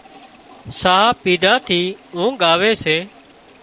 ساهَه پيڌا ٿي اونگھ آوي سي